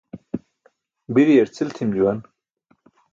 Biryar cʰil tʰim juwan.